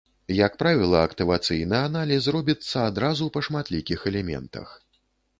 Як правіла, актывацыйны аналіз робіцца адразу па шматлікіх элементах.